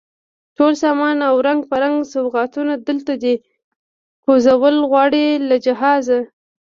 ټول سامان او رنګ په رنګ سوغاتونه، دلته دی کوزول غواړي له جهازه